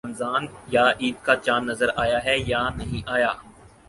رمضان یا عید کا چاند نظر آیا ہے یا نہیں آیا؟